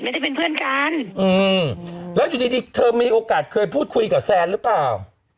ไม่ได้เป็นเพื่อนกันอืมแล้วอยู่ดีดีเธอมีโอกาสเคยพูดคุยกับแซนหรือเปล่า